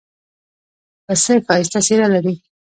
پسه ښایسته څېره لري.